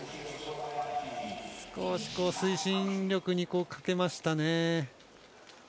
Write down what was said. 少し推進力に欠けましたね。